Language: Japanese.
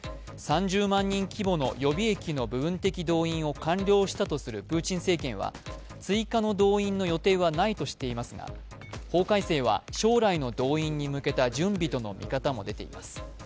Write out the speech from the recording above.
３０万人規模の予備役の部分的動員を完了したとするプーチン政権は追加の動員の予定はないとしていますが法改正は将来の動員に向けた準備との見方も出ています。